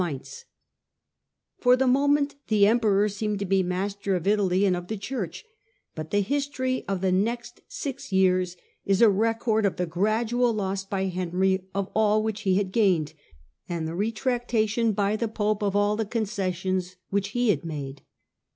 ^ For the moment the emperor seemed to be master of Italy and of the Church, but the history of the next six years is a record of the gradual loss by Henry of all which he had gained, and the retractation by the pope of all the con cessions which he had made.